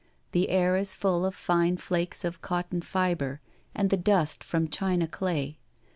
The air is full of fine flakes of cotton fibre and the dust front china day.